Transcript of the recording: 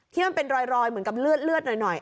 ที่มันเป็นรอยเหมือนกับเลือดหน่อย